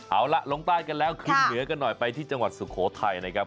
เอาล่ะลงใต้กันแล้วขึ้นเหนือกันหน่อยไปที่จังหวัดสุโขทัยนะครับ